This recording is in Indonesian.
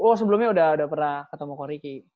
oh sebelumnya udah pernah ketemu ko riki